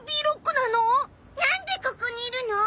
なんでここにいるの？